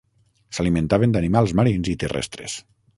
S'alimentaven d'animals marins i terrestres.